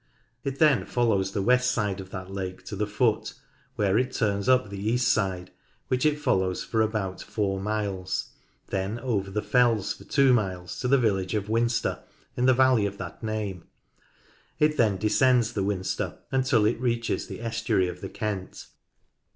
It then follows the west side of that lake to the foot, where it turns up the east side, which it follows for about four miles, then over the fells for two miles to the village of Winster in the valley of that name. It then descends the Winster until it reaches the estuary of the Kent.